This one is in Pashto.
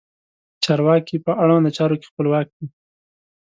چارواکي په اړونده چارو کې خپلواک دي.